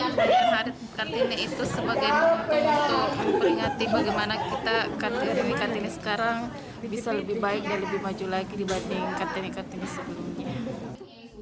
sebenarnya kartini itu sebagai untuk memperingati bagaimana kita kartini kartini sekarang bisa lebih baik dan lebih maju lagi dibanding kartini kartini sebelumnya